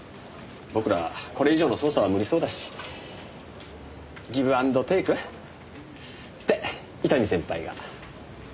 僕らこれ以上の捜査は無理そうだしギブ・アンド・テークって伊丹先輩が。